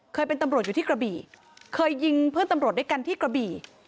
เคยเป็นตำรวจอยู่ที่กระบี่เคยยิงเพื่อนตำรวจด้วยกันที่กระบี่